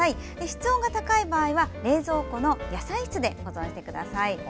室温が高い場合は冷蔵庫の野菜室で保存してください。